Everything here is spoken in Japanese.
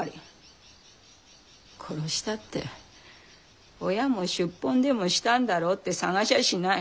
殺したって親も出奔でもしたんだろうって捜しゃしない。